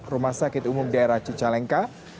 rumah sakit umum daerah cicalengka